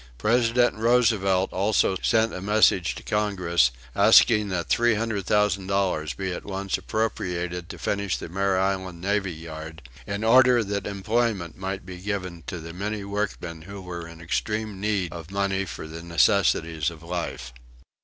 President Roosevelt also sent a message to Congress asking that $300,000 be at once appropriated to finish the Mare Island Navy Yard, in order that employment might be given to the many workmen who were in extreme need of money for the necessities of life.